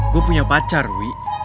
gue punya pacar wih